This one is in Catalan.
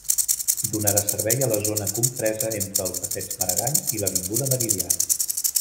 Donarà servei a la zona compresa entre el passeig Maragall i l'avinguda Meridiana.